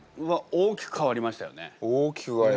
大きく変わりました。